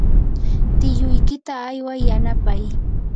tiyuykita ayway yanapay.